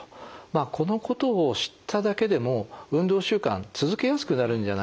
このことを知っただけでも運動習慣続けやすくなるんじゃないでしょうかね。